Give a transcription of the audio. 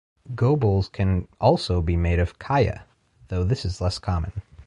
Go bowls can also be made of "kaya", though this is less common.